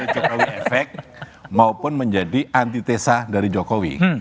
jokowi efek maupun menjadi antitesa dari jokowi